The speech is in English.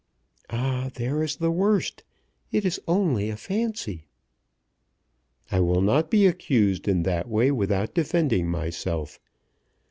"Ah, there is the worst! It is only a fancy." "I will not be accused in that way without defending myself.